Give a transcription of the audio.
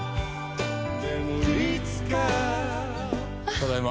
ただいま。